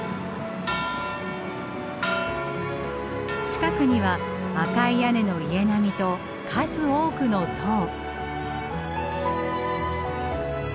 近くには赤い屋根の家並みと数多くの塔。